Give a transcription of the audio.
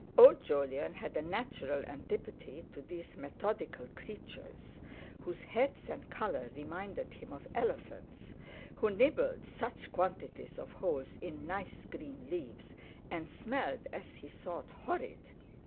Old Jolyon had a natural antipathy to these methodical creatures, whose heads and colour reminded him of elephants; who nibbled such quantities of holes in nice green leaves; and smelled, as he thought, horrid.